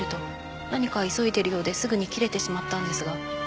何か急いでるようですぐに切れてしまったんですが。